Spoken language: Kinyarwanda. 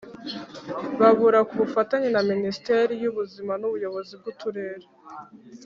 babura ku bufatanye na Minisiteri y Ubuzima n Ubuyobozi bw Uturere